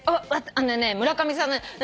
あのね村上さんの。